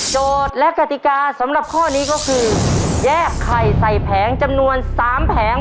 และกติกาสำหรับข้อนี้ก็คือแยกไข่ใส่แผงจำนวน๓แผง